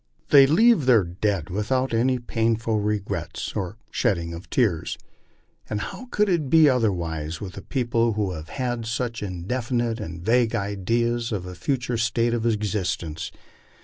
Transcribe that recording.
They leave their dead without any painful regrets, or the shedding of tears. And how could it be otherwise with a people who have such indefinite and vague ideas of a future state of existence?